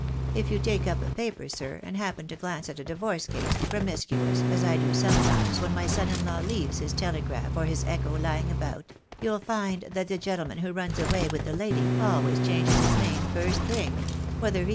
If you take up a paper, sir, and happen to glance at a divorce case, promiscuous, as I do sometimes when my son in law leaves his Telegraph or his Echo lying about — you'll find that the gentleman who runs away with the lady always changes his name first thing — whether he THE DAY WILL COME.